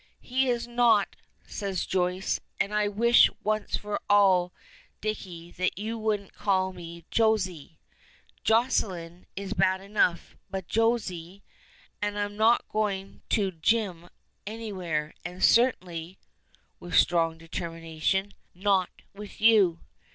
"He is not," says Joyce; "and I wish once for all, Dicky, that you wouldn't call me 'Josy.' 'Jocelyne' is bad enough, but 'Josy!' And I'm not going to 'jim' anywhere, and certainly" with strong determination "not with you."